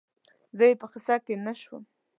زه یې په قصه کې نه شوم